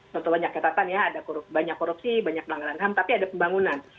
contohnya banyak kata kata banyak korupsi banyak pelanggaran ham tapi ada pembangunan